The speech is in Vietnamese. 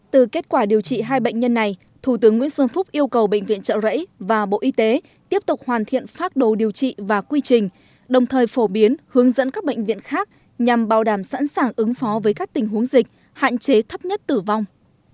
từ kết quả điều trị hai bệnh nhân này thủ tướng nguyễn xuân phúc yêu cầu bệnh viện trợ rẫy và bộ y tế tiếp tục hoàn thiện phác đồ điều trị và quy trình đồng thời phổ biến hướng dẫn các bệnh viện khác nhằm bảo đảm sẵn sàng ứng phó với các tình huống dịch hạn chế thấp nhất tử vong